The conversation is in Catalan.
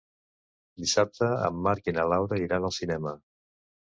Dissabte en Marc i na Laura iran al cinema.